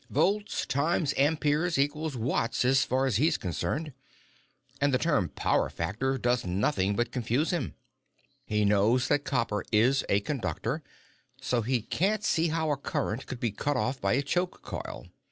Volts times amperes equal watts, as far as he's concerned, and the term 'power factor' does nothing but confuse him. He knows that copper is a conductor, so he can't see how a current could be cut off by a choke coil.